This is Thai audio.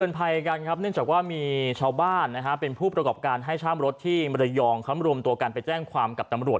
เชิญภัยกันครับเนื่องจากว่ามีชาวบ้านเป็นผู้ประกอบการให้ช่างรถที่มรยองคำรวมตัวการไปแจ้งความกับตำรวจ